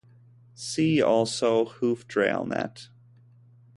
See also hoofdrailnet.